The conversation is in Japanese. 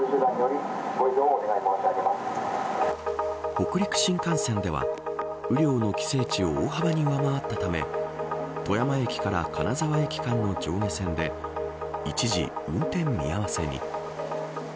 北陸新幹線では雨量の規制値を大幅に上回ったため富山駅から金沢駅間の上下線で一時運転見合わせに。